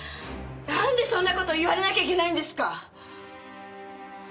なんでそんな事言われなきゃいけないんですか！？